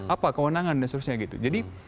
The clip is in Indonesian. apa kewenangan dan sebagainya